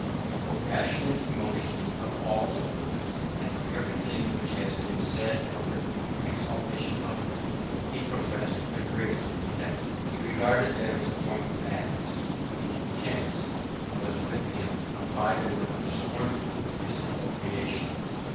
For passionate emotions of all sorts, and for everything which bas been said or written in exaltation of them, he professed the greatest contempt. He regarded them as a form of madness. "The intense" was with him a bye word of scornful disapprobation.